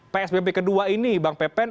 psbb kedua ini bang pepen